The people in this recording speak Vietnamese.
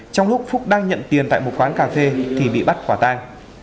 trong lúc phúc đang nhận tiền tại một quán cà phê thì bị bắt quả tang